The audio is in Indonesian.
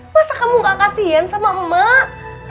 masa kamu gak kasian sama emak